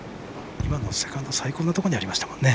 今のセカンド最高なところにありましたもんね。